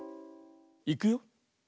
いくよ。